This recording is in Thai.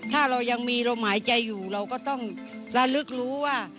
ถ้าเรายังมีลมหายใจอยู่เราก็ต้องระลึกรู้ว่า